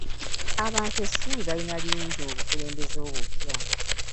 Abantu essuubi balina lingi mu bukulembeze obupya.